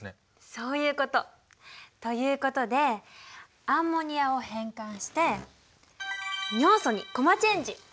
そういうこと！ということでアンモニアを変換して尿素にコマチェンジ！